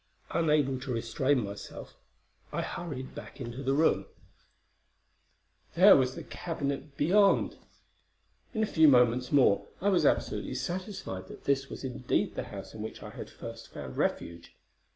Unable to restrain myself, I hurried into the back room: there was the cabinet beyond! In a few moments more I was absolutely satisfied that this was indeed the house in which I had first found refuge.